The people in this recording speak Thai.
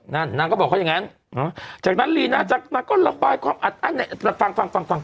น่ะนางก็บอกเค้ายังไงเออจากนั้นลีนอาจจะหนังก็หละบายคลองอ่ะนะก็ฟังฟังฟังฟัง